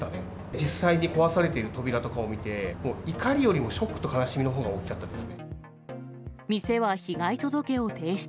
実際に壊されている扉とかを見て、怒りよりもショックと悲しみのほうが大きかったです。